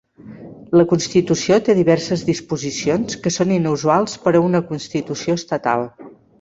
La constitució té diverses disposicions que són inusuals per a una constitució estatal.